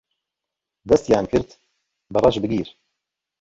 دەستیان کرد بە ڕەشبگیر